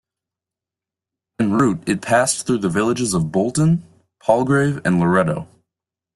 En route, it passed through the villages of Bolton, Palgrave and Loretto.